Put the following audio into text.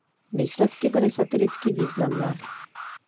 Výsledky byly statisticky významné.